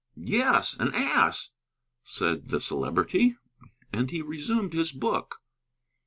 "Yes, an ass," said the Celebrity. And he resumed his book.